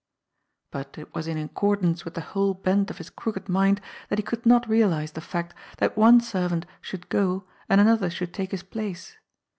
But it was in accordance with the whole bent of his crooked mind that he could not realize the fact that one servant should go and another should take his place.